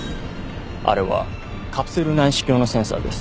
あれはカプセル内視鏡のセンサーです。